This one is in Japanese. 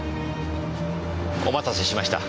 お待たせしました。